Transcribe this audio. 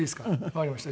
わかりました。